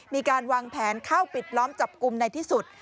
มีการวางแผนเข้าปิดล้อมจับกลุ่มในที่สุด